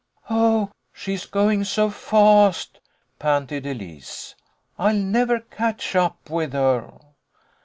"Oh, she is going so fast!" panted Elise. "I'll never catch up with her